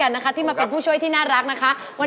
อ้าว